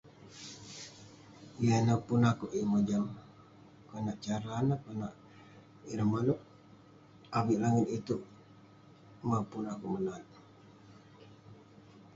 Yah ineh pun akek yeng mojam konak cara neh, konak ireh maneuk. Avik langit iteuk, mah pun akeuk menat.